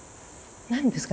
何ですか？